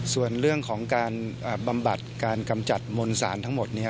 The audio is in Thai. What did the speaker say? ส่วนเรื่องของการบำบัดการกำจัดมวลสารทั้งหมด